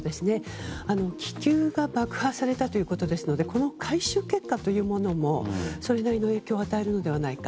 気球が爆破されたということですのでこの回収結果というものもそれなりの影響を与えるのではないか。